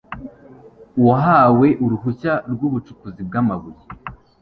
uwahawe uruhushya rw ubucukuzi bw amabuye